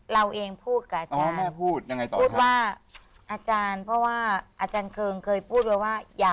เราเองพูดกับอาจารย์เพราะว่าอาจารย์เคริงเคยพูดว่า